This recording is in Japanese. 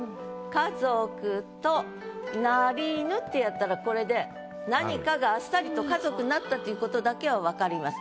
「家族となりぬ」ってやったらこれで何かがあっさりと家族になったということだけは分かります。